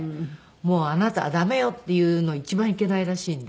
「もうあなたは駄目よ」っていうの一番いけないらしいんで。